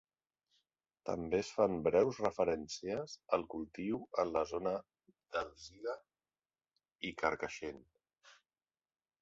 També es fan breus referències al cultiu en la zona d'Alzira i Carcaixent.